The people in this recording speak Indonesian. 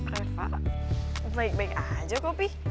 reva baik baik aja kok pi